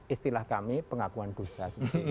istilah kami pengakuan dosa